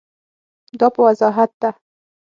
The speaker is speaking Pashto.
دا په وضاحت ده.